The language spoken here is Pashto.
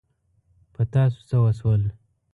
په تاسو څه وشول؟